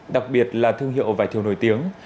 đặc biệt là thương hiệu vải thiều nổi tiếng